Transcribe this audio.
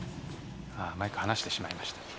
マイク、離してしまいました。